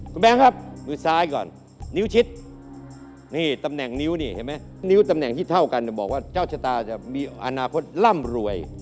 คุณแบงค์ครับมือซ้ายก่อนนิ้วชิดนี่ตำแหน่งนิ้วนี่เห็นไหมนิ้วตำแหน่งที่เท่ากันบอกว่าเจ้าชะตาจะมีอนาคตร่ำรวย